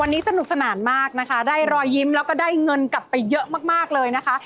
วันนี้สนุกสนานมากนะคะได้รอยยิ้มแล้วก็ได้เงินกลับไปเยอะมากมากเลยนะคะ